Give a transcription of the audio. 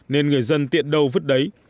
nên người dân tiện đâu vứt đấy